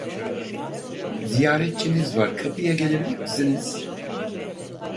Ziyaretçiniz var, kapıya gelebilir misiniz?